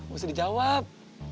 gak usah dijawab